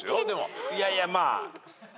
いやいやまあ何か。